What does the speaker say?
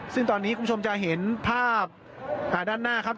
ซึ่งตอนนี้คุณผู้ชมจะเห็นภาพด้านหน้าครับ